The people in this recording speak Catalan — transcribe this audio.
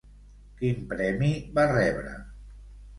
Quin premi va rebre?